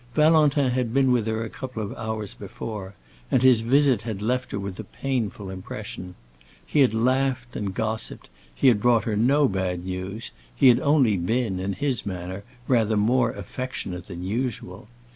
Valentin had been with her a couple of hours before, and his visit had left her with a painful impression. He had laughed and gossiped, he had brought her no bad news, he had only been, in his manner, rather more affectionate than usual.